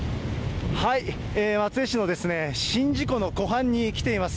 松江市の宍道湖の湖畔に来ています。